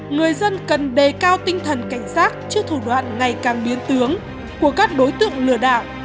người dân cần đề cao tinh thần cảnh giác trước thủ đoạn ngày càng biến tướng của các đối tượng lừa đảo